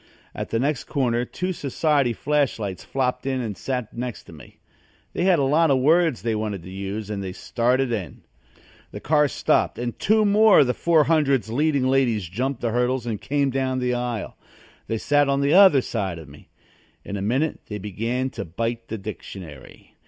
At the next corner two society flash lights flopped in and sat next to me. They had a lot of words they wanted to use and they started in. The car stopped and two more of the 400's leading ladies jumped the hurdles and came down the aisle. They sat on the other side of me. In a minute they began to bite the dictionary.